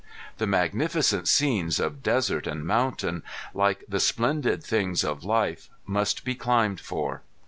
The magnificent scenes of desert and mountain, like the splendid things of life, must be climbed for.